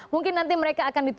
mungkin nanti mereka akan diterima